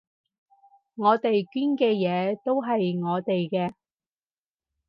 我哋捐嘅嘢都係我哋嘅